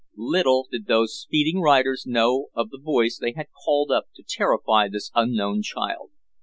Little did those speeding riders know of the voice they had called up to terrify this unknown child.